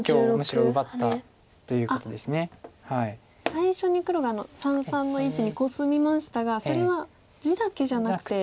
最初に黒が三々の位置にコスみましたがそれは地だけじゃなくて。